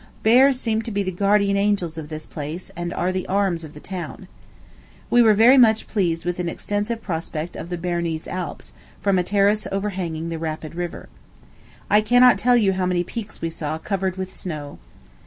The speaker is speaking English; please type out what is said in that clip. Bears seem to be the guardian angels of the place, and are the arms of the town. We were very much pleased with an extensive prospect of the Bernese Alps, from a terrace overhanging the rapid river. I cannot tell you how many peaks we saw covered with snow.